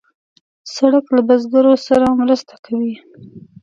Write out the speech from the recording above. سړک له بزګرو سره مرسته کوي.